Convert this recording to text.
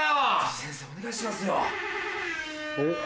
先生お願いしますよ。おっ？